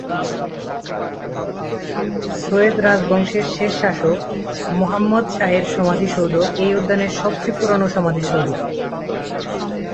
সৈয়দ রাজবংশের শেষ শাসক মহম্মদ শাহের সমাধিসৌধ এই উদ্যানের সবচেয়ে পুরনো সমাধিসৌধ।